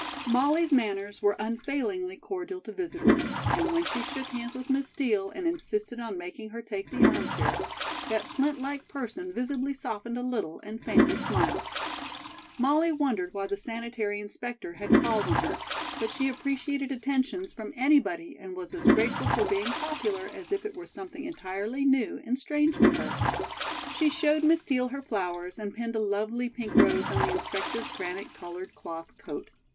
Molly's manners were unfailingly cordial to visitors, and when she shook hands with Miss Steel and insisted on making her take the armchair, that flint like person visibly softened a little and faintly smiled. Molly wondered why the sanitary inspector had called on her, but she appreciated attentions from anybody and was as grateful for being popular as if it were something entirely new and strange to her. She showed Miss Steel her flowers and pinned a lovely pink rose on the inspector's granite colored cloth coat.